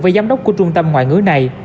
với giám đốc của trung tâm ngoại ngữ này